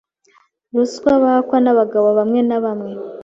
ruswa bakwa n’abagabo bamwe na bamwe.